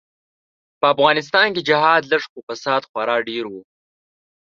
به افغانستان کی جهاد لږ خو فساد خورا ډیر وو.